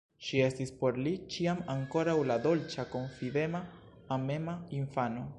Ŝi estis por li ĉiam ankoraŭ la dolĉa, konfidema, amema infano.